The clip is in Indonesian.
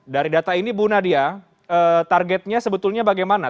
dari data ini bu nadia targetnya sebetulnya bagaimana